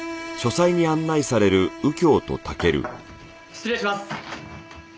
失礼します。